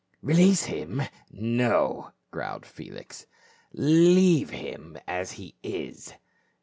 "Release him? No," growled Felix. " Leave him 414 PA UL. as he is.